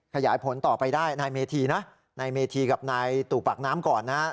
ขยายผลต่อไปได้นายเมธีนะนายเมธีกับนายตู่ปากน้ำก่อนนะฮะ